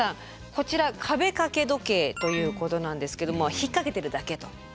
こちら壁掛け時計ということなんですけども引っ掛けてるだけと。